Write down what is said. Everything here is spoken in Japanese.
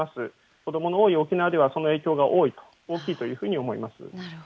子どもの多い沖縄ではその影響が大きいというふうに思います。